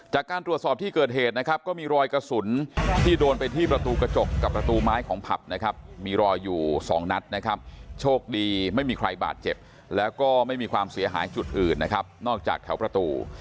จากการตรวจสอบที่เกิดเหตุนะครับก็มีรอยกระสุนที่โดนไปที่ประตูกระจกกับประตูไม้ของผับนะครับมีรอยอยู่สองนัดนะครับโชคดีไม่มีใครบาดเจ็บแล้วก็ไม่มีความเสียหายจุดอื่นนะครับนอกจากแถวประตู